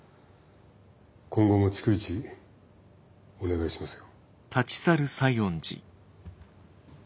今後も逐一お願いしますよ。